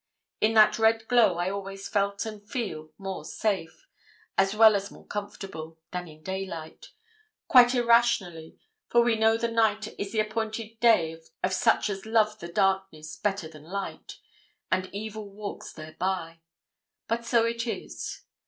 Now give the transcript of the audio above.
In that red glow I always felt and feel more safe, as well as more comfortable, than in the daylight quite irrationally, for we know the night is the appointed day of such as love the darkness better than light, and evil walks thereby. But so it is.